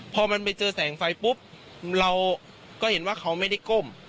พอมันไปเจอแสงไฟปุ๊บเราก็เห็นว่าเขาไม่ได้ก้ม